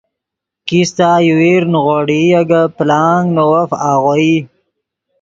کیستہ یوویر نیغوڑئی اے گے پلانگ نے وف آغوئی